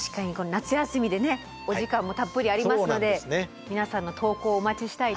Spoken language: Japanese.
夏休みでねお時間もたっぷりありますので皆さんの投稿をお待ちしたいですね。